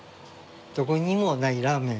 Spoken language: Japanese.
どこにもないラーメン。